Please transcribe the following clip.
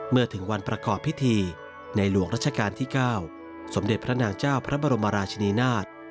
เมื่อถึงวันประกอบพิธีในหลวงรัชกาลที่๙สมเด็จพระนางเจ้าพระบรมราชนีนาฏ